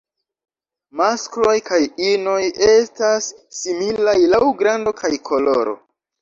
Maskloj kaj inoj estas similaj laŭ grando kaj koloro.